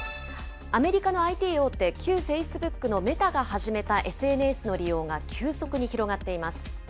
アメリカのＩＴ大手、旧フェイスブックのメタが始めたＳＮＳの利用が急速に広がっています。